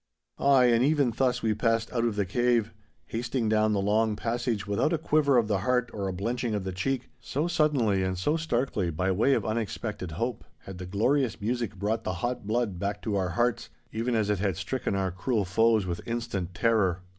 Ay, and even thus we passed out of the cave, hasting down the long passage without a quiver of the heart or a blenching of the cheek—so suddenly and so starkly, by way of unexpected hope, had the glorious music brought the hot blood back to our hearts, even as it had stricken our cruel foes with instant terror.